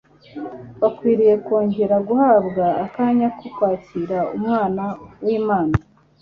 bakwiye kongera guhabwa akanya ko kwakira Umwana w'Imana.